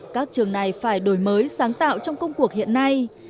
các trường này phải đổi mới sáng tạo trong công cuộc hiện nay